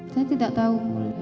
saya tidak tahu